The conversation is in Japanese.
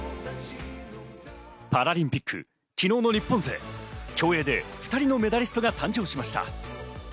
パラリンピック、昨日の日本勢、競泳で２人のメダリストが誕生しました。